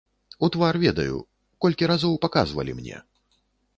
У твар ведаю, колькі разоў паказвалі мне.